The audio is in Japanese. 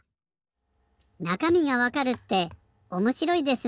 なかみがわかるっておもしろいですね。